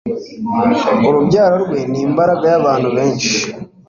urubyaro rwe n'“imbaga y'abantu benshi